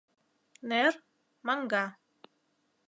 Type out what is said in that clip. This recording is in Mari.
Нер — маҥга